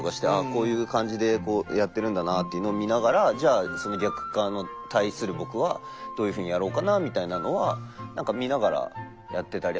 こういう感じでこうやってるんだなというのを見ながらじゃあその逆側の対する僕はどういうふうにやろうかなみたいなのは何か見ながらやってたり。